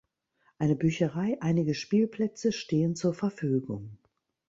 Eine Bücherei, einige Spielplätze stehen zur Verfügung.